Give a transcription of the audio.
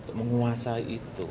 untuk menguasai itu